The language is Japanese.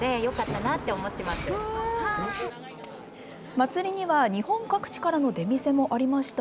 祭りには日本各地からの出店もありました。